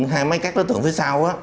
hai mấy các đối tượng phía sau á